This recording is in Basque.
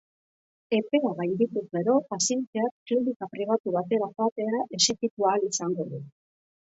Epea gaindituz gero, pazienteak klinika pribatu batera joatea exijitu ahal izango du.